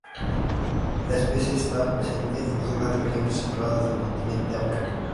La especie esta presente en dos grandes regiones separadas del continente africano.